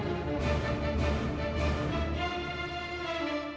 aduh dia udah gak kuat